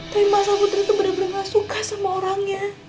tapi masa putri itu bener bener gak suka sama orangnya